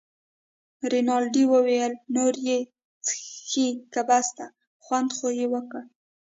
رینالډي وویل: نور یې څښې که بس ده، خوند خو یې وکړ.